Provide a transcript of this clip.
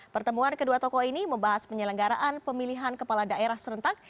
pertemuan kedua tokoh ini membahas penyelenggaraan pemilihan kepala daerah serentak